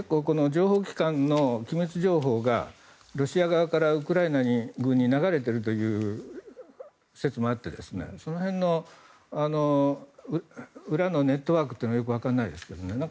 情報機関の機密情報がロシア側からウクライナ軍に流れているという説もあってその辺の裏のネットワークはよくわからないですけどね。